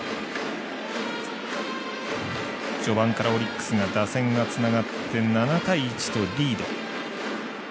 序盤からオリックスが打線がつながって７対１とリード。